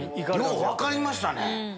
よう分かりましたね。